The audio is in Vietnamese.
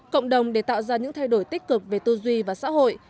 cộng đồng để tạo ra những thay đổi tích cực về tư duy và xã hội